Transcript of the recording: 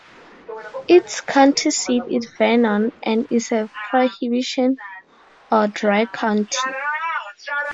Its county seat is Vernon and is a prohibition or dry county.